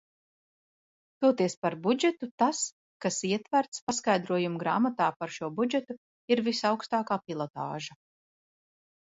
Toties par budžetu tas, kas ietverts paskaidrojumu grāmatā par šo budžetu, ir visaugstākā pilotāža.